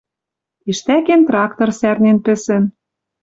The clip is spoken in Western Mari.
Тиштӓкен трактор сӓрнен пӹсӹн